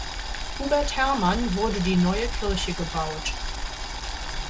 Hubert Hermann wurde die neue Kirche gebaut.